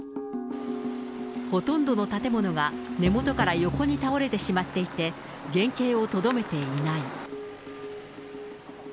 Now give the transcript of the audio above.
ほとんどの建物が根本から横に倒れてしまっていて、原形をとどめていない。